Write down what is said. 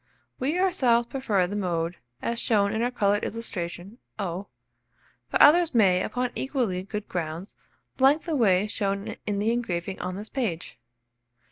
We ourselves prefer the mode as shown in our coloured illustration "O;" but others may, upon equally good grounds, like the way shown in the engraving on this page.